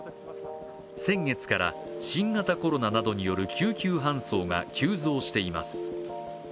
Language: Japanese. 先月から新型コロナなどによる救急搬送が急増しています。